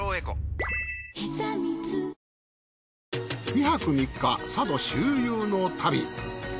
２泊３日佐渡周遊の旅。